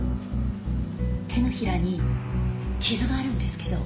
手のひらに傷があるんですけど。